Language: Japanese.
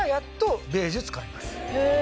へえ！